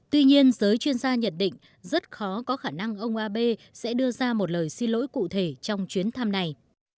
tuy nhiên giới chuyên gia nhận định rất khó có khả năng ông abe sẽ đưa ra một lời xin lỗi cụ thể trong chuyến thăm này